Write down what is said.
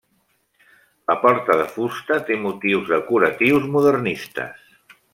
La porta, de fusta, té motius decoratius modernistes.